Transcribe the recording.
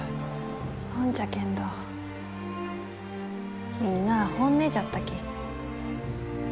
ほんじゃけんどみんなあ本音じゃったき。